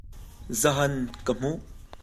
Zahan ka hmuh.